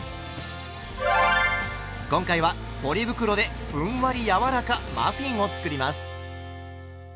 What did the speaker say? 今回はポリ袋でふんわり柔らかマフィンを作ります。